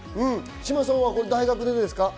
嶋さんは大学でですか？